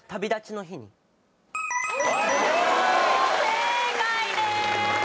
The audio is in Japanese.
正解です。